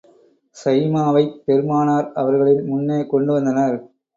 ஷைமாவைப் பெருமானார் அவர்களின் முன்னே கொண்டு வந்தனர்.